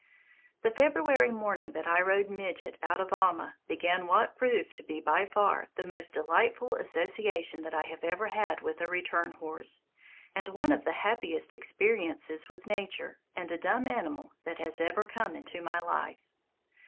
The February morning that I rode "Midget" out of Alma began what proved to be by far the most delightful association that I have ever had with a return horse, and one of the happiest experiences with nature and a dumb animal that has ever come into my life.